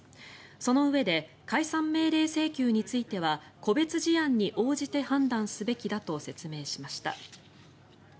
そのうえで解散命令請求については個別事案に応じて判断すべきだと説明しました。